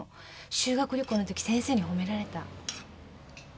修学旅行のとき先生に褒められた。